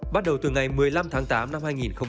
bắt đầu từ ngày một mươi năm tháng tám năm hai nghìn hai mươi